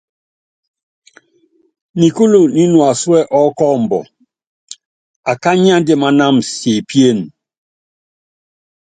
Nikúlu nínuásuɛ́ ɔkɔmbɔ, akányi andimánam siepíene.